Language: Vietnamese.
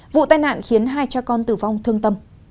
vụ tai nạn khiến hai cha con tử vong thương tâm